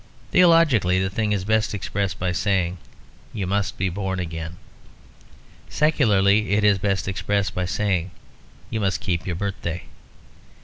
Theologically the thing is best expressed by saying, "You must be born again." Secularly it is best expressed by saying, "You must keep your birthday."